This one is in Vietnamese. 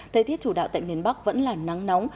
thời tiết chủ đạo tại miền bắc vẫn là nắng nóng